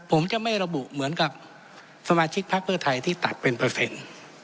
ผมจะไม่ระบุเหมือนกับสมาชิกพักเพื่อไทยที่ตัดเป็นเปอร์เซ็นต์